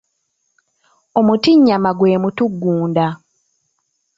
Omutinnyama gwe mutugunda.